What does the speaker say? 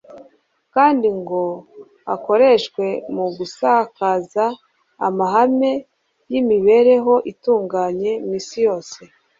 kandi ngo akoreshwe mu gusakaza amahame y'imibereho itunganye mu isi yose